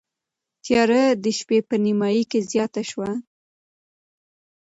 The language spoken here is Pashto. تیاره د شپې په نیمايي کې زیاته شوه.